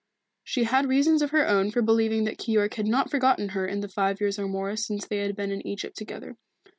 She had reasons of her own for believing that Keyork had not forgotten her in the five years or more since they had been in Egypt together.